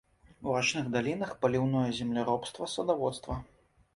У рачных далінах паліўное земляробства, садаводства.